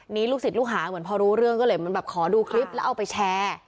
นี่ลูกศิษย์ลูกหาเหมือนพอรู้เรื่องก็เลยเหมือนแบบขอดูคลิปแล้วเอาไปแชร์